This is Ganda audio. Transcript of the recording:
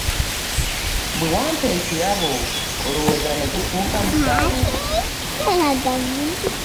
Bwe wampa ekirabo olowooza ne gufuuka musango?